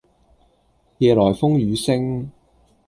夜來風雨聲